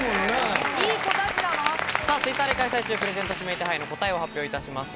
Ｔｗｉｔｔｅｒで開催中、プレゼント指名手配の答えを発表いたします。